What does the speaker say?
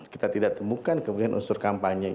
kita tidak temukan kemudian unsur kampanye